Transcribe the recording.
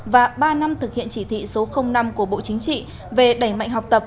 và ba năm thực hiện chỉ thị số năm của bộ chính trị về đẩy mạnh học tập